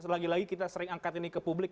lagi lagi kita sering angkat ini ke publik